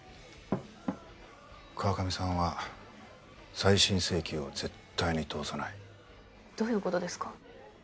川上さんは再審請求を絶対に通さないどういうことですか？